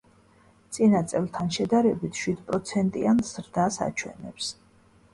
წინა წელთან შედარებით შვიდპროცენტიან ზრდას აჩვენებს.